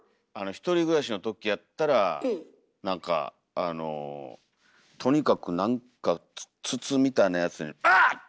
１人暮らしのときやったらなんかあのとにかくなんか筒みたいなやつに「アッ！」